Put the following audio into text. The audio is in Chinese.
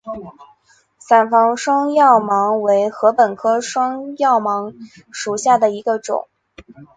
伞房双药芒为禾本科双药芒属下的一个种。